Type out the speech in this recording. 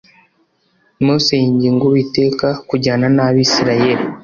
mose yinginga uwiteka kujyana n abisirayeli